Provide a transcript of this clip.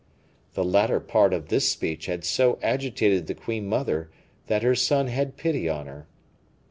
The latter part of this speech had so agitated the queen mother, that her son had pity on her.